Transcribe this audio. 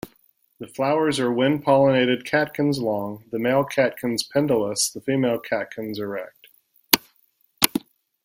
The flowers are wind-pollinated catkins long, the male catkins pendulous, the female catkins erect.